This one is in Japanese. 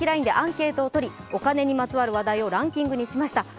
ＬＩＮＥでアンケートをとりお金にまつわる話題をランキングにしました。